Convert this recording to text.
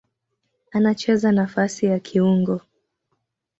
Anacheza nafasi ya kiungo.